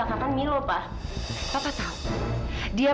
letaklah adhesive lainnya di tokozag